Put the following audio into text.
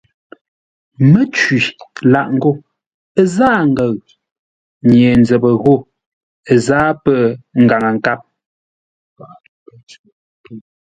Mə́cwi lâʼ ngô: zâa ngəʉ. Nye-nzəpə ghó zâa pə̂ Ngaŋə-nkâp.